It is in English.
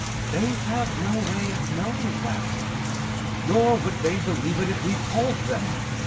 "They have no way of knowing that." "Nor would they believe it if we told them."